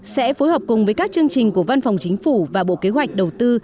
sẽ phối hợp cùng với các chương trình của văn phòng chính phủ và bộ kế hoạch đầu tư